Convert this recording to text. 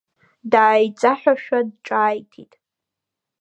Дааиҵаҳәҳәашәа ҿааиҭит.